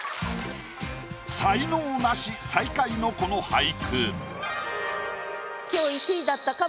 才能ナシ最下位のこの俳句。